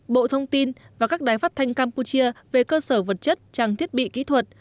bộ thông tin và các đài phát thanh campuchia về cơ sở vật chất trang thiết bị kỹ thuật